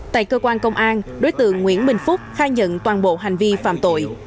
tại cơ quan công an đối tượng nguyễn bình phúc khai nhận toàn bộ hành vi phạm tội